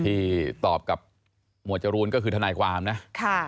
ที่ตอบกับหมวดจรูนก็คือทนายความนะ